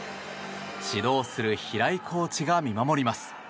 指導する平井コーチが見守ります。